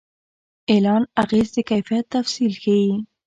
د اعلان اغېز د کیفیت تفصیل ښيي.